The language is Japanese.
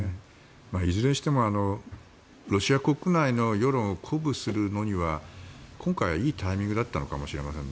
いずれにしてもロシア国内の世論を鼓舞するのには今回はいいタイミングだったのかもしれませんね